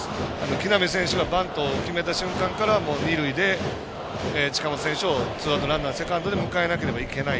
木浪選手がバントを決めた瞬間から二塁で近本選手をツーアウト、ランナー、二塁で迎えなければいけない。